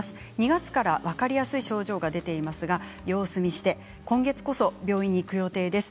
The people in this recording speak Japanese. ２月から分かりやすい症状が出ていますが様子見して今月こそ病院に行く予定です。